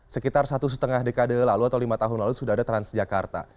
sekitar satu lima dekade lalu atau lima tahun lalu sudah ada transjakarta